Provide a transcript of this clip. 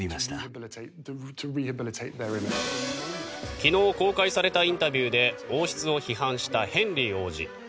昨日公開されたインタビューで王室を批判したヘンリー王子。